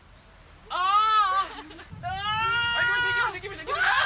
ああ。